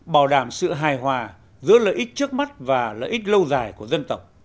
bảo đảm sự hài hòa giữa lợi ích trước mắt và lợi ích lâu dài của dân tộc